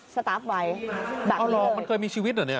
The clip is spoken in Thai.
สตัฟไว้เอาลองมันเคยมีชีวิตเหรอเนี่ย